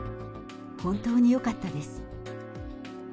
本当によかったです。